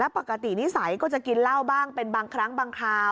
ปกตินิสัยก็จะกินเหล้าบ้างเป็นบางครั้งบางคราว